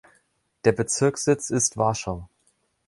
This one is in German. Der Bezirkssitz ist Warschau.